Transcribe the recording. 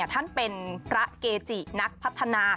ท่านเป็นผู้พัฒนาประเกจิ